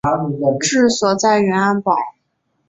治所在永安堡。